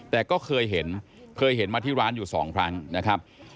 แต่ก็เคยเห็นเคยเห็นมาที่ร้านอยู่สองครั้งนะครับ